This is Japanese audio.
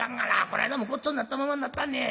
この間もごっつぉになったままになったんねん。